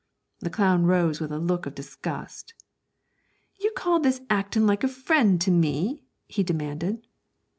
The clown rose with a look of disgust. 'Do you call this actin' like a friend to me?' he demanded.